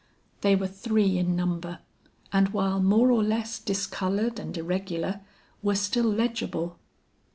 "They were three in number, and while more or less discolored and irregular, were still legible.